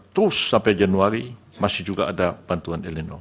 terus sampai januari masih juga ada bantuan eleno